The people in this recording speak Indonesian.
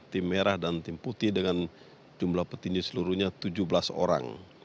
tim merah dan tim putih dengan jumlah petinju seluruhnya tujuh belas orang